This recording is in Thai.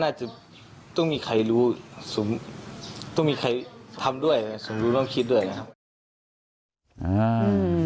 อาจจะต้องมีใครรู้ต้องมีใครทำด้วยสมรู้ต้องคิดด้วยนะครับ